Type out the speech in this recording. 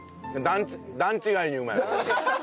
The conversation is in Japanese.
段違いにうまい。